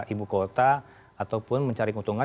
ibu kota ataupun mencari keuntungan